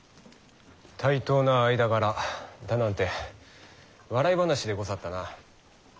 対等な間柄だなんて笑い話でござったな。